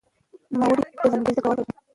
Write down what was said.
نوموړي ته ځانګړې زده کړې ورکړل شوې.